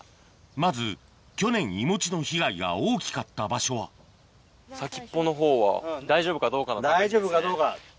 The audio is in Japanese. まず去年いもちの被害が大きかった場所は先っぽのほうは大丈夫かどうかの確認ですね。